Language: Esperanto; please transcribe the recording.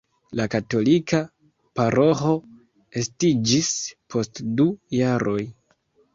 La katolika paroĥo estiĝis post du jaroj.